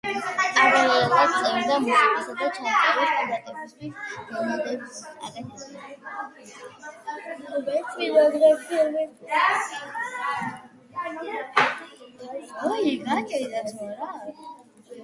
პარალელურად წერდა მუსიკასა და ჩამწერი სტუდიებისთვის დემოებს აკეთებდა.